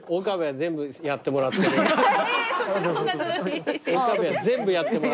全部やってもらったら。